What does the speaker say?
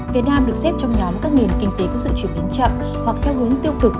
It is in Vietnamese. việt nam được xếp trong nhóm các nền kinh tế có sự chuyển biến chậm hoặc theo hướng tiêu cực